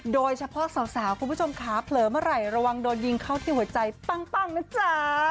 โดยเฉพาะสาวคุณผู้ชมขาเผลอเมื่อไหร่ระวังโดนยิงเข้าที่หัวใจปั้งนะจ๊ะ